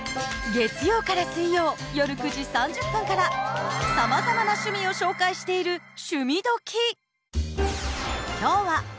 月曜から水曜夜９時３０分からさまざまな趣味を紹介している「趣味どきっ！」。